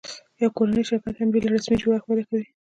یو کورنی شرکت هم بېله رسمي جوړښت وده کوي.